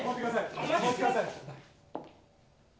お待ちください